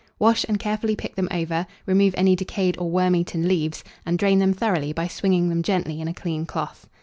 Wash and carefully pick them over, remove any decayed or wormeaten leaves, and drain them thoroughly by swinging them gently in a clean cloth.